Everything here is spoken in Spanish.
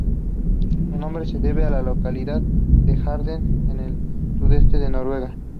Su nombre se debe a la localidad de Halden en el sudeste de Noruega.